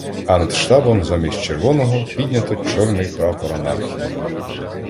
А над штабом замість червоного піднято чорний прапор анархії.